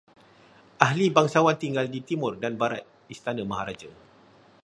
Ahli bangsawan tinggal di timur dan barat istana maharaja